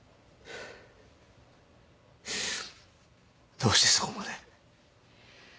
どうしてそこまで。